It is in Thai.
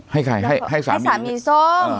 ให้ใครให้สามีส้ม